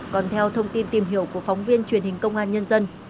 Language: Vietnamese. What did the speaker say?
còn theo thông tin tìm hiểu của phóng viên truyền hình công an nhân dân